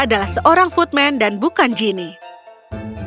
dia adalah seorang footman dan bukan jeannie